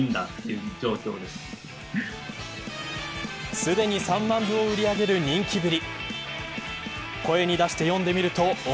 すでに３万部を売り上げる人気ぶり。